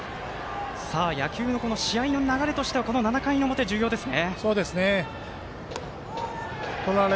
野球の試合の流れとしては７回の表重要ですね。